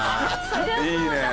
そりゃそうだ。